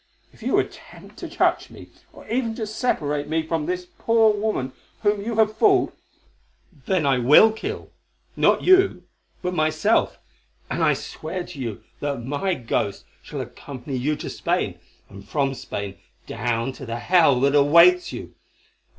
If you attempt to touch me, or even to separate me from this poor woman whom you have fooled, then I will kill—not you, but myself, and I swear to you that my ghost shall accompany you to Spain, and from Spain down to the hell that awaits you.